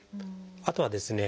あとはですね